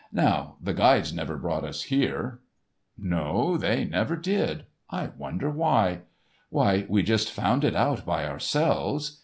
Now, the guides never brought us here." "No, they never did. I wonder why? Why, we just found it out by ourselves.